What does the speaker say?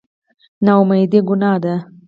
نااميدي ګناه ده